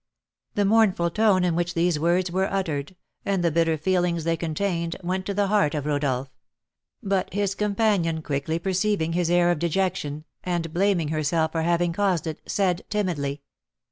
The mournful tone in which these words were uttered, and the bitter feelings they contained, went to the heart of Rodolph; but his companion, quickly perceiving his air of dejection, and blaming herself for having caused it, said, timidly: "M.